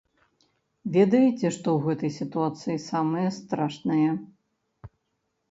Ведаеце, што ў гэтай сітуацыі самае страшнае?